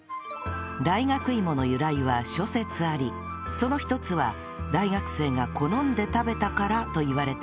大学芋の由来は諸説ありその一つは大学生が好んで食べたからといわれています